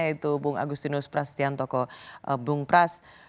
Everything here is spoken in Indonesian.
yaitu bung agustinus prasetyantoko bung pras